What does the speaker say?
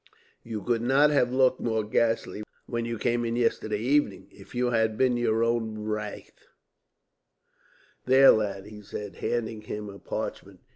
You could not have looked more ghastly, when you came in yesterday evening, if you had been your own wraith. "There, lad," he said, handing him a parchment.